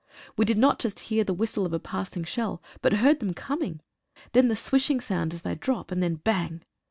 We did not just hear the whistle of a passing shell, but heard them coming, then the swishing sound as they drop, and then bang.